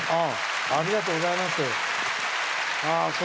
ありがとうございます。